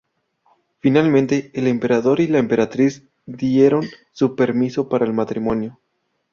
Finalmente, el emperador y la emperatriz dieron su permiso para el matrimonio.